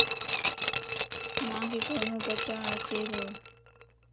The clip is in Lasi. مانک قورمو پڇاڙ اچي تو.